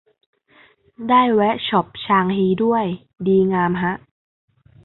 ได้แวะช็อปชางฮีด้วย ดีงามฮะ